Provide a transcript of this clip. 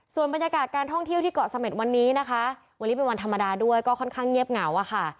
ส่วนบรรยากาศการท่องเที่ยวที่เกาะเสม็ดวันนี้นะคะวันนี้เป็นวันธรรมดาด้วยก็ค่อนข้างเงียบเหงาอะค่ะ